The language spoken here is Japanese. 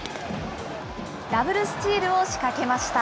ダブルスチールを仕掛けました。